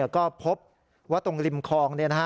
ก็พบว่าตรงริมคลอง